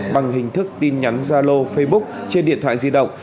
bằng hình thức tin nhắn gia lô facebook trên điện thoại di động